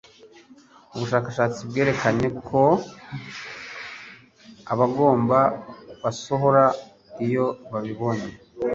Ubushakashatsi bwerekanye ko abagabo basohora iyo babibonye